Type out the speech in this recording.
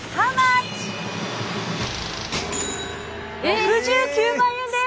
６９万円です！